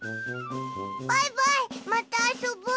バイバイまたあそぼう。